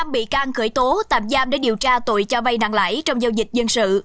năm bị can khởi tố tạm giam để điều tra tội cho vay nặng lãi trong giao dịch dân sự